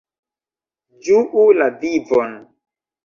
Ĝuu la vivon!